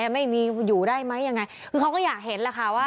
ไม่มีอยู่ได้ไหมยังไงคือเขาก็อยากเห็นแหละค่ะว่า